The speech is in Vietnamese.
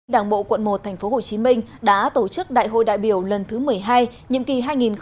đảng bộ quận một tp hcm đã tổ chức đại hội đại biểu lần thứ một mươi hai nhiệm kỳ hai nghìn hai mươi hai nghìn hai mươi năm